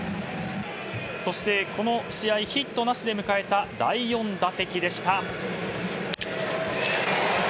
そして、この試合ヒットなしで迎えた第４打席でした。